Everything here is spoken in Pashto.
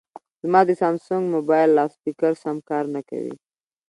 زما د سامسنګ مبایل لاسپیکر سم کار نه کوي